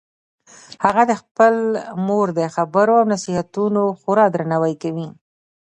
هغه د خپلې مور د خبرو او نصیحتونو خورا درناوی کوي